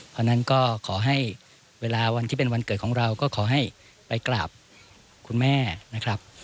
เพราะฉะนั้นก็ขอให้เวลาวันที่เป็นวันเกิดของเราก็ขอให้ไปกราบคุณแม่นะครับ